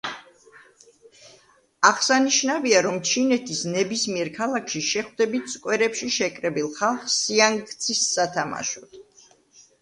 აღსანიშნავია, რომ ჩინეთის ნებისმიერ ქალაქში შეხვდებით სკვერებში შეკრებილ ხალხს სიანგცის სათამაშოდ.